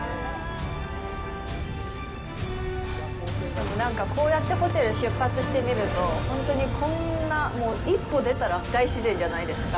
でも、なんか、こうやってホテル出発してみると本当に、こんな一歩出たら大自然じゃないですか。